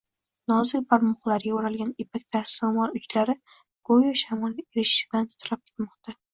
Nozik barmoqlarga o`ralgan ipak dastro`mol uchlari go`yo shamol esishidan titrab ketmoqda